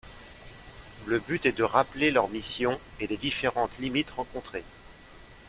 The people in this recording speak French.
Le but est de rappeler leurs missions et les différentes limites rencontrées